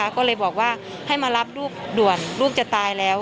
ก็เลยบอกว่าให้มารับลูกด่วนลูกจะตายแล้ว